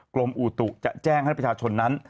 กรมอุตุจะแจ้งให้ประชาชนนั้น